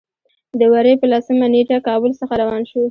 د وري په لسمه نېټه کابل څخه روان شولو.